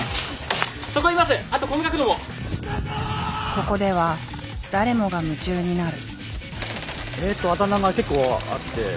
ここでは誰もが夢中になる。